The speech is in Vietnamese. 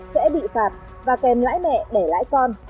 sẽ bị phạt và kèm lãi mẹ lãi con